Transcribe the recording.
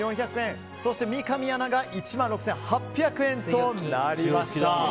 そして三上アナが１万６８００円となりました。